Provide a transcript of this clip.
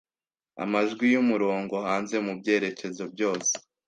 amajwi yumurongo hanze mubyerekezo byose